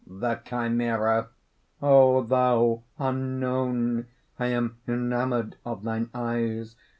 THE CHIMERA. "O thou Unknown, I am enamoured of thine eyes!